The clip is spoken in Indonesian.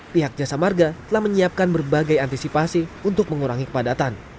pihak jasa marga telah menyiapkan berbagai antisipasi untuk mengurangi kepadatan